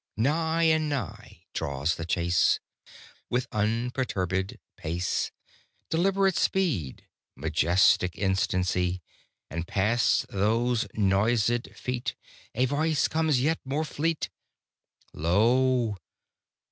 Nigh and nigh draws the chase, With unperturbèd pace, Deliberate speed, majestic instancy, And past those noisèd Feet A Voice comes yet more fleet "Lo!